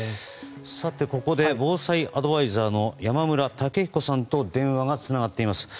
ここで防災アドバイザーの山村武彦さんと電話がつながっています。